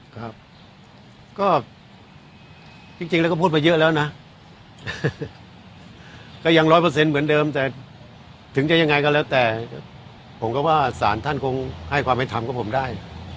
ครับก็จริงแล้วก็พูดมาเยอะแล้วนะก็ยังร้อยเปอร์เซ็นต์เหมือนเดิมแต่ถึงจะยังไงก็แล้วแต่ผมก็ว่าสารท่านคงให้ความเป็นธรรมกับผมได้